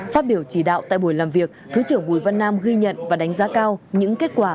phát biểu chỉ đạo tại buổi làm việc thứ trưởng bùi văn nam ghi nhận và đánh giá cao những kết quả